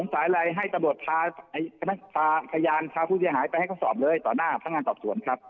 ต่อหน้าพระนางตอบส่วนครับ